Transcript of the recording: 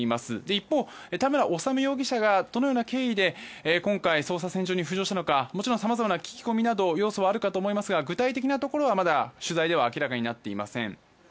一方、田村修容疑者がどのような経緯で今回、捜査線上に浮上したのかもちろんさまざまな聞き込みなど要素はあるかと思いますが具体的なところは、取材ではまだ明らかになっていません。